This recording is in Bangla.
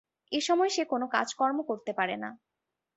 এসময় সে কোন কাজকর্ম করতে পারে না।